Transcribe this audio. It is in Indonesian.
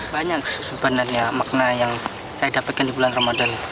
banyak sebenarnya makna yang saya dapatkan di bulan ramadan